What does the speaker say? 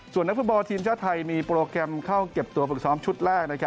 ส่วนนักฟุตบอลทีมชาติไทยมีโปรแกรมเข้าเก็บตัวฝึกซ้อมชุดแรก